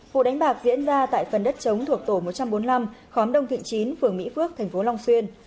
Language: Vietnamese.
vụ đánh bạc diễn ra tại phần đất chống thuộc tổ một trăm bốn mươi năm khóm đông thịnh chín phường mỹ phước thành phố long xuyên